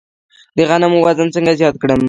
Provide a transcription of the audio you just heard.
د غنمو وزن څنګه زیات کړم؟